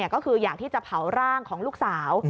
ก็คืออยากที่จะเผาร่างของลูกสาว